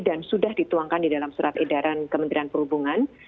dan sudah dituangkan di dalam surat edaran kementerian perhubungan